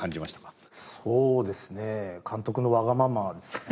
そうですね監督のわがままですかね。